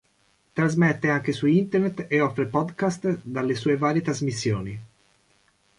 Trasmette anche su Internet e offre podcast dalle sue varie trasmissioni.